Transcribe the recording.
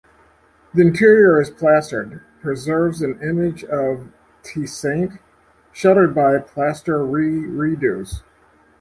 The interior is plastered; preserves an image of te saint, sheltered by a plaster reredos.